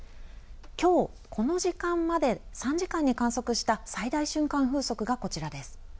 きょう、この時間まで３時間に観測した最大瞬間風速がこちらです。